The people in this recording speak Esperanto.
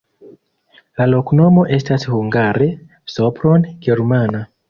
La loknomo estas hungare: Sopron-germana.